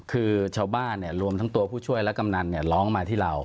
คือชาวบ้านรวมทั้งตัวผู้ช่วยและกำนันร้องมาที่เรา